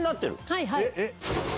はいはい。